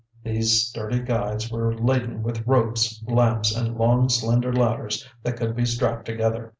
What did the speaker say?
These sturdy guides were laden with ropes, lamps, and long, slender ladders that could be strapped together.